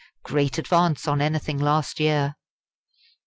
Great advance on anything last year."